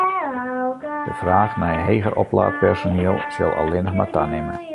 De fraach nei heger oplaat personiel sil allinnich mar tanimme.